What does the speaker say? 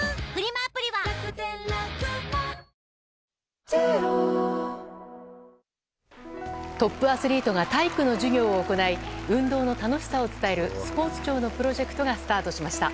続くトップアスリートが体育の授業を行い運動の楽しさを伝えるスポーツ庁のプロジェクトがスタートしました。